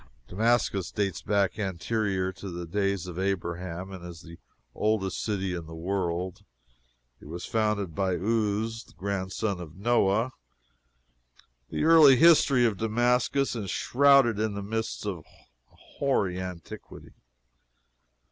Damascus dates back anterior to the days of Abraham, and is the oldest city in the world. It was founded by Uz, the grandson of Noah. "The early history of Damascus is shrouded in the mists of a hoary antiquity."